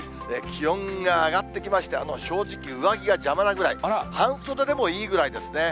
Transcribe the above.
気温が上がってきまして、正直、上着が邪魔なぐらい、半袖でもいいぐらいですね。